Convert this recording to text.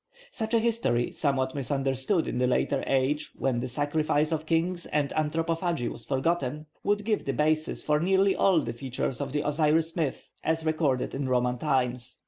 Such a history, somewhat misunderstood in a later age when the sacrifice of kings and anthropophagy was forgotten, would give the basis for nearly all the features of the Osiris myth as recorded in Roman times.